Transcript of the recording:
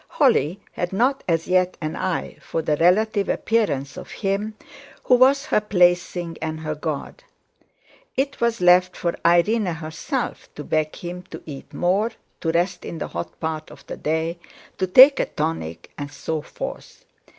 Holly had not as yet an eye for the relative appearance of him who was her plaything and her god. It was left for Irene herself to beg him to eat more, to rest in the hot part of the day, to take a tonic, and so forth.